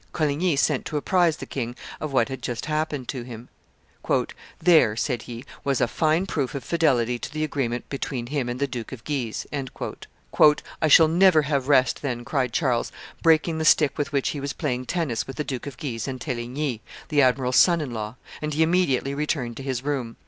Coligny sent to apprise the king of what had just happened to him. "There," said he, "was a fine proof of fidelity to the agreement between him and the Duke of Guise." "I shall never have rest, then!" cried Charles, breaking the stick with which he was playing tennis with the Duke of Guise and Teligny, the admiral's son in law; and he immediately returned to his room.